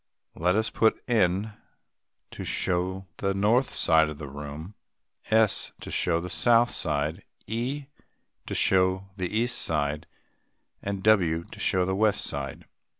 Let us put N. to show the north side of the room, S. to show the south side, E. to show the east side, and W. to show the west side.